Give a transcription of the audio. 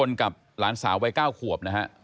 สองคนกับหลานสาววัยเก้าขวบนะฮะ